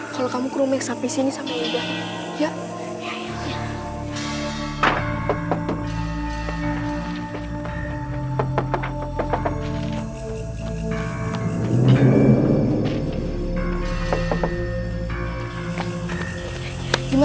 kalau kamu ke rumah yang sampai sini sama yang di bawah